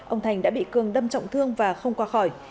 ông thành đã bị cường đâm trọng thương và không qua khỏi